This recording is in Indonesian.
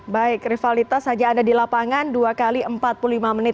baik rivalitas hanya ada di lapangan dua x empat puluh lima menit